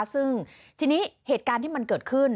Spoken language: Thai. ซึ่งทีนี้เหตุการณ์ที่มันเกิดขึ้น